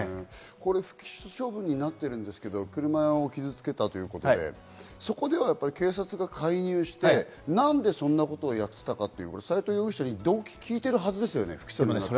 不起訴処分になっているんですけれど、車を傷付けたということで、そこでは警察が介入して、何でそんなことをやっていたかという、斎藤容疑者に動機を聞いているはずですよね。